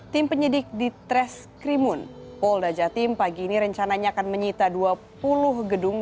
tim penyidik di tres krimun polda jatim pagi ini rencananya akan menyita dua puluh gedung